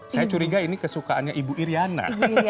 saya curiga ini kesukaannya ibu iryana